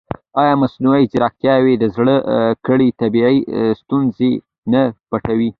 ایا مصنوعي ځیرکتیا د زده کړې طبیعي ستونزې نه پټوي؟